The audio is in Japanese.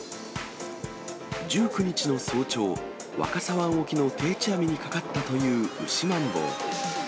１９日の早朝、若狭湾沖の定置網にかかったというウシマンボウ。